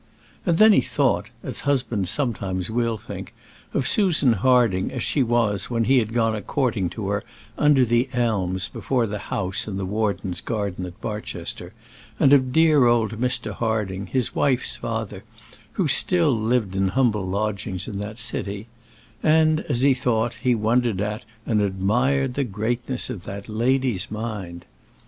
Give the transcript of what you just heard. And then he thought, as husbands sometimes will think, of Susan Harding as she was when he had gone a courting to her under the elms before the house in the warden's garden at Barchester, and of dear old Mr. Harding, his wife's father, who still lived in humble lodgings in that city; and as he thought, he wondered at and admired the greatness of that lady's mind.